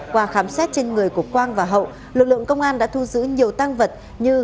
qua khám xét trên người của quang và hậu lực lượng công an đã thu giữ nhiều tăng vật như